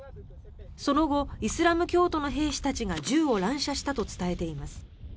その後イスラム教徒の兵士たちが銃を乱射したと伝えています。